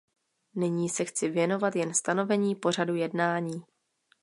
Nyní se chci věnovat jen stanovení pořadu jednání.